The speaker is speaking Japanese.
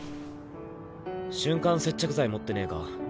瞬間接着剤持ってねぇか？